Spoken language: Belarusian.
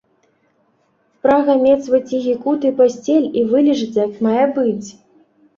Прага мець свой ціхі кут і пасцель і вылежацца як мае быць.